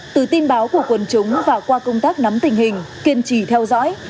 từ tin báo của quần chúng và qua công tác nắm tình hình kiên trì theo dõi